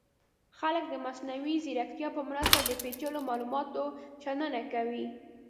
خلک د مصنوعي ځیرکتیا په مرسته د پیچلو معلوماتو شننه کوي.